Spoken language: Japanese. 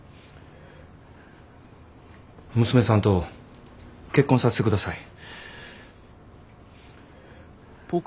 娘さんと結婚させてください。